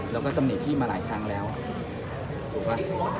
แล้วก็ต้องหนีพี่มาหลายทางแล้วถูกปะ